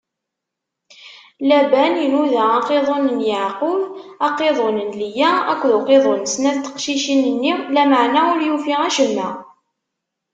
Laban inuda aqiḍun n Yeɛqub, aqiḍun n Liya akked uqiḍun n snat n tqeddacin-nni, lameɛna ur yufi acemma.